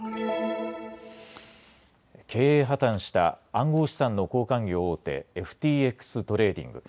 経営破綻した暗号資産の交換業大手、ＦＴＸトレーディング